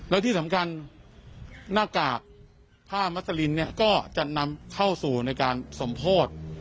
แล้วที่สำคัญหน้ากากผ้ามัสลินเนี่ยก็จะนำเข้าสู่ในการสมโพธิ